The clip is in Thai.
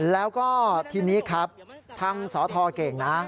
แล้วก็ทีนี้ครับทางสทเก่งนะ